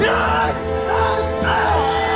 อย่าอย่าอย่า